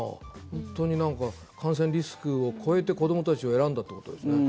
本当に感染リスクを超えて子どもたちを選んだっていうことですね。